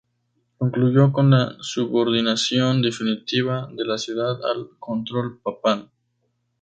Concluyó con la subordinación definitiva de la ciudad al control papal.